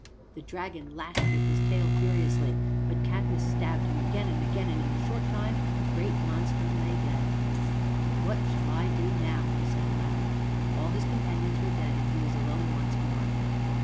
The dragon lashed with his tail furiously, but Cadmus stabbed him again and again, and in a short time the great monster lay dead. "What shall I do now?" he said aloud. All his companions were dead, and he was alone once more.